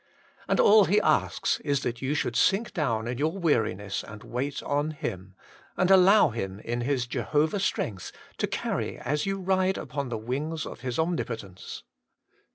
And all He asks is that you should sink down in your weariness and wait on Him ; and allow Him in His Jehovah strength to carry as you ride upon the wings of His Omni potence.